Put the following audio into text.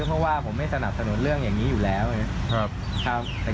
เพราะว่าผมไม่สนับสนุนเรื่องอย่างนี้อยู่แล้วนะครับ